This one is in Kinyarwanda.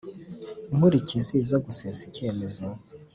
Inkurikizi zo gusesa icyemezo